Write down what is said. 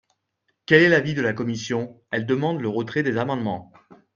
Quel est l’avis de la commission ? Elle demande le retrait des amendements.